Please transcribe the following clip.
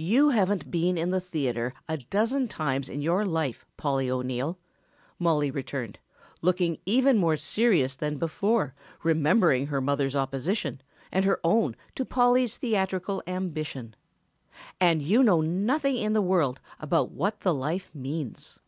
"You haven't been in the theater a dozen times in your life, Polly O'Neill," Mollie returned, looking even more serious than before remembering her mother's opposition and her own to Polly's theatrical ambition, "and you know nothing in the world about what the life means."